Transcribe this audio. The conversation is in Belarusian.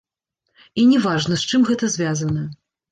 І не важна, з чым гэта звязана.